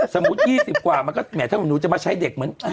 สมมุติ๒๐กว่าทั้งหมดมันก็จะมาใช้เหมือน